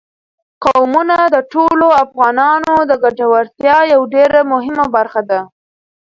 قومونه د ټولو افغانانو د ګټورتیا یوه ډېره مهمه برخه ده.